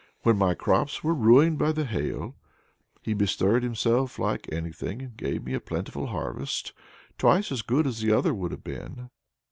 When my crops were ruined by the hail, he bestirred himself like anything, and gave me a plentiful harvest, twice as good as the other would have been."